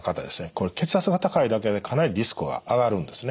これ血圧が高いだけでかなりリスクは上がるんですね。